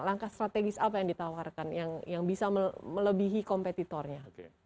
langkah strategis apa yang ditawarkan yang bisa melebihi kompetitornya